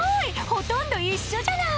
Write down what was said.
ほとんど一緒じゃない？